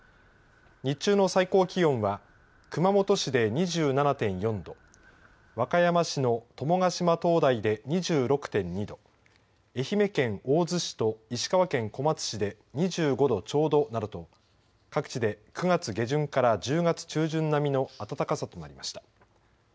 日中の最高気温は熊本市で２７．４度和歌山市の友ヶ島灯台で２６．２度愛媛県大洲市と石川県小松市で２５度ちょうどなどと各地で９月下旬から１０月中旬並みの暖かさとなりました。